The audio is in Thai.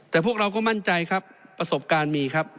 แต่พวกเราก็มั่นใจครับประสบการณ์มีครับ